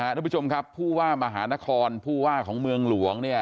ทุกผู้ชมครับผู้ว่ามหานครผู้ว่าของเมืองหลวงเนี่ย